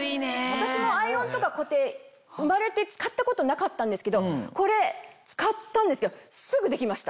私もアイロンとかコテ生まれて使ったことなかったんですけどこれ使ったんですけどすぐできました。